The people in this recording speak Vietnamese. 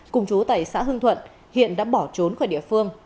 cùng chú tại xã hương thuận hiện đã bỏ trốn khỏi địa phương